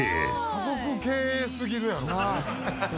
家族経営すぎるやろ。